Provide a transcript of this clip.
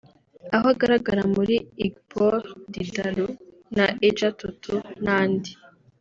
aho agaragara muri ‘Igboro Ti Daru’ na ‘Eja Tutu’ n’andi